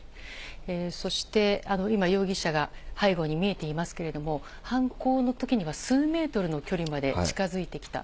そして、今容疑者が背後に見えていますけれども、犯行のときには数メートルの距離まで近づいてきた。